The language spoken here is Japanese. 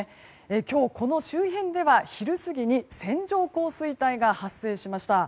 今日、この周辺では昼過ぎに線状降水帯が発生しました。